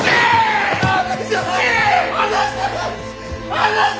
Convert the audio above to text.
離せ！